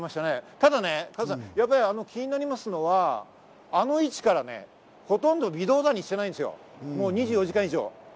ただ加藤さん、気になりますのはあの位置からほとんど微動だにしていないんですよ、２４時間以上。